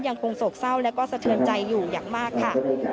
โศกเศร้าและก็สะเทือนใจอยู่อย่างมากค่ะ